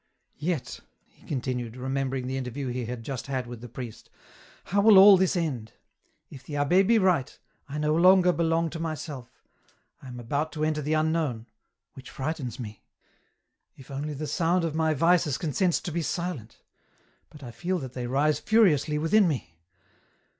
*' Yet," he continued, remembering the interview he had iust had with the Driest " how will all this end .'* If the EN ROUTE. 67 abbd be right, I no longer belong to myself ; I am about lo enter the unknown, which frightens me. If only the sound of my vices consents to be silent, but I feel that they rise furiously within me.